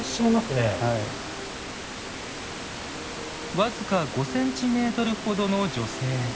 僅か５センチメートルほどの女性。